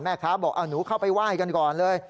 บอกเอาหนูเข้าไปไหว้กันก่อนเลย